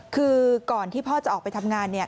คือก่อนที่พ่อจะออกไปทำงานเนี่ย